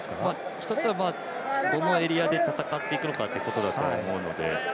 １つは、どのエリアで戦っていくのかということだと思うので。